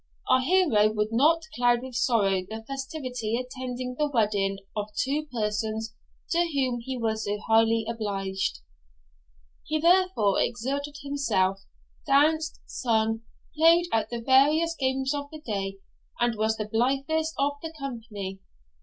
Our hero would not cloud with sorrow the festivity attending the wedding of two persons to whom he was so highly obliged. He therefore exerted himself, danced, sung, played at the various games of the day, and was the blithest of the company.